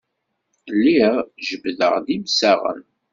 Lliɣ jebbdeɣ-d imsaɣen.